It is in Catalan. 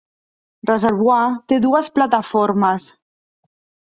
Reservoir té dues plataformes.